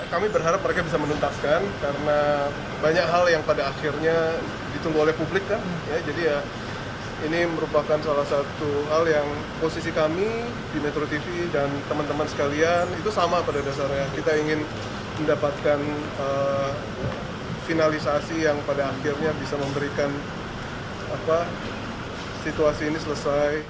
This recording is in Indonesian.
kami berharap finalisasi yang pada akhirnya bisa memberikan situasi ini selesai